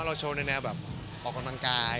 เราโชว์ในแนวแบบออกกำลังกาย